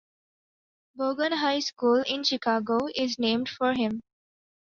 Bogan High School in Chicago is named for him.